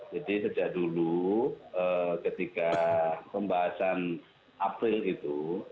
jadi sejak dulu ketika pembahasan april itu